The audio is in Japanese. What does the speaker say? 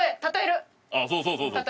ああそうそうそうそう。